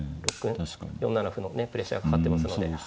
プレッシャーかかってますね。